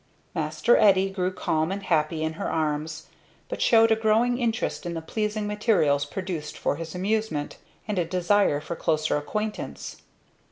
Master Eddy grew calm and happy in her arms, but showed a growing interest in the pleasing materials produced for his amusement, and a desire for closer acquaintance.